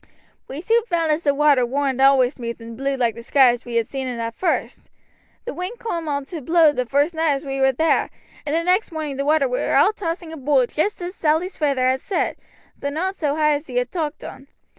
"We soon found as the water warn't always smooth and blue like the sky as we had seen it at first. The wind coom on to blow the vurst night as we war thar, and the next morning the water war all tossing aboot joost as Sally's feyther had said, though not so high as he had talked on.